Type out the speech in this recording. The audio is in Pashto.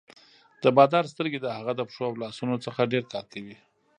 د بادار سترګې د هغه د پښو او لاسونو څخه ډېر کار کوي.